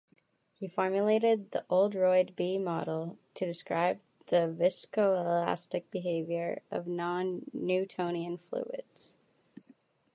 He formulated the Oldroyd-B model to describe the viscoelastic behaviour of non-Newtonian fluids.